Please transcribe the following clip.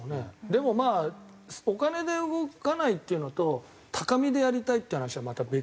でもまあお金で動かないっていうのと高みでやりたいっていう話はまた別だから。